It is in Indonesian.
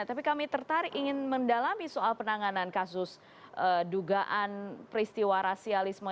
tapi kami tertarik ingin mendalami soal penanganan kasus dugaan peristiwa rasialisme